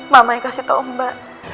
mama yang kasih tahu mbak